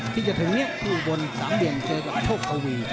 ๑๒ที่จะถึงเนี่ยผู้อุบล๓เดียงเจอกับโชคเทอร์วี